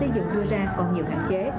đừng đưa ra còn nhiều hạn chế